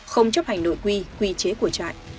không chấp hành nội quy quy chế của trại